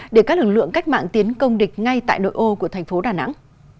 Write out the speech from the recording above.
để các lực lượng cách mạng tiến công địch ngay tại nội ô của thành phố đà nẵng